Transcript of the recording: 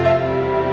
ya udah deh